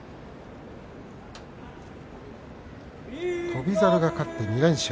翔猿が勝って２連勝